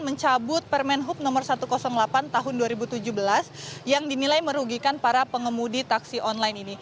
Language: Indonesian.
mencabut permen hub nomor satu ratus delapan tahun dua ribu tujuh belas yang dinilai merugikan para pengemudi taksi online ini